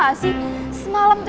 aku ingin pergi mundur